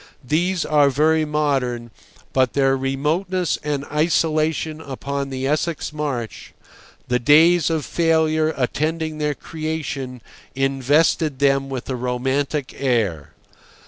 These are very modern, but their remoteness and isolation upon the Essex marsh, the days of failure attending their creation, invested them with a romantic air.